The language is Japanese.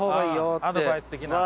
アドバイス的な。